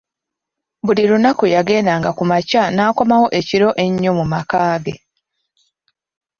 Buli lunaku yagenda nga kumakya nakomawo ekiro ennyo mu makagge.